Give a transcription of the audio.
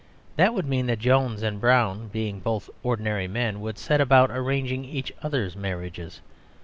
That would mean that Jones and Brown, being both ordinary men, would set about arranging each other's marriages.